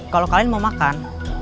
kalau kalian mau makan